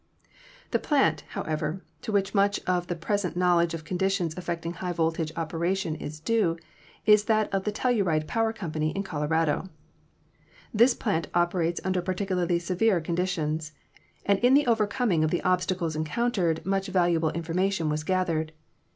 The plant, however, to which much of the present knowledge of conditions affecting high voltage operation is due is that of the Telluride Power Co. in Colorado. This plant operates under particularly severe conditions, and in the overcoming of the obstacles encountered much valuable information was gathered.